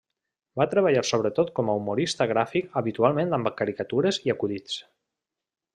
Va treballar sobretot com a humorista gràfic habitualment amb caricatures i acudits.